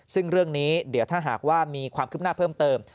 ซึ่งเรื่องนี้เดี๋ยวถ้าหากว่ามีความคืบหน้าเพิ่มเติม